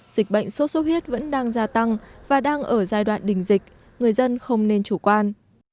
dịch bệnh sốt sốt huyết vẫn đang gia tăng và đang ở giai đoạn đình dịch người dân không nên chủ quan